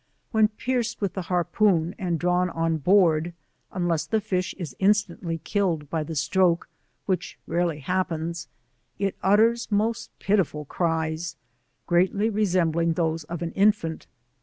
When pierced with the har poon and drawn on board, unless the fish is in stantly killed by the stroke, which rarely happens, it utters most pitiful cries, greatly resembling those of an infant.